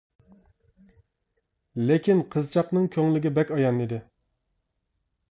لېكىن قىزچاقنىڭ كۆڭلىگە بەك ئايان ئىدى.